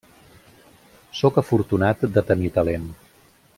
Sóc afortunat de tenir talent.